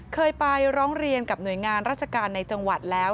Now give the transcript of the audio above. เคยไปร้องเรียนกับหน่วยงานราชการในจังหวัดแล้ว